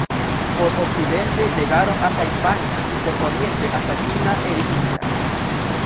Por occidente llegaron hasta Hispania y por oriente hasta China e India.